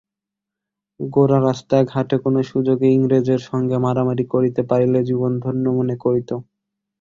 গোরা রাস্তায় ঘাটে কোনো সুযোগে ইংরেজের সঙ্গে মারামারি করিতে পারিলে জীবন ধন্য মনে করিত।